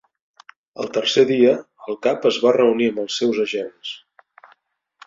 Al tercer dia, el cap es va reunir amb els seus agents.